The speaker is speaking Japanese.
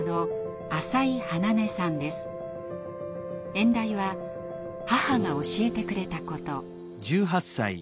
演題は「母が教えてくれたこと」。